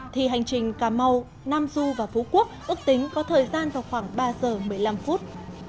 thì hành trình cà mau nam du và phú quốc ước tính có thời gian vào khoảng ba giờ một mươi năm phút